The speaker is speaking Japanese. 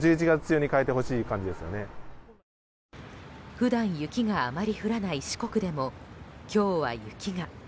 普段、雪があまり降らない四国でも今日は雪が。